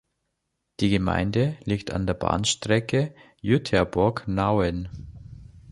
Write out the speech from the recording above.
Die Gemeinde liegt an der Bahnstrecke Jüterbog–Nauen.